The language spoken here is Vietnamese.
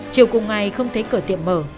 chiều cùng ngày không thấy cửa tiệm mở